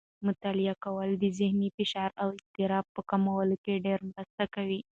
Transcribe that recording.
مطالعه کول د ذهني فشار او اضطراب په کمولو کې ډېره مرسته کوي.